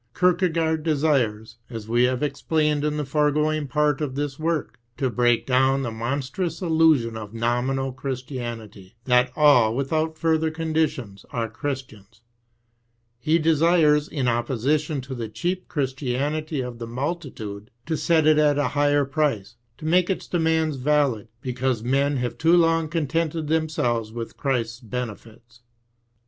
Kierkegaard desires, as we have explained in the foregoing part of this work, to break down the monstrous illusion of nominal Christianity, that all without further conditions are Christians ; he desires, in opposition to the cheap Christianity of tlie multitude, to set it at a higher price, to make its demands valid, because men have too long contented themselves with Christ's benefits.